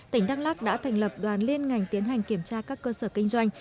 tỉnh đắk lắc đã thành lập đoàn liên ngành tiến hành kiểm tra các cơ sở kinh doanh